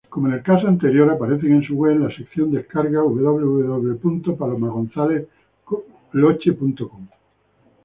Como en el caso anterior, aparecen en su web en la sección Descargas: www.palomagonzalezloche.com.